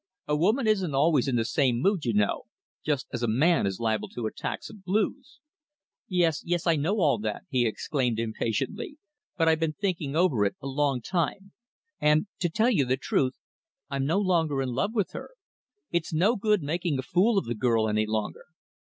A woman isn't always in the same mood, you know, just as a man is liable to attacks of blues." "Yes, yes, I know all that," he exclaimed impatiently. "But I've been thinking over it a long time, and, to tell the truth, I'm no longer in love with her. It's no good making a fool of the girl any longer."